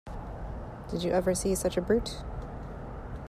Did you ever see such a brute?